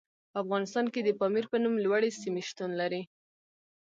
په افغانستان کې د پامیر په نوم لوړې سیمې شتون لري.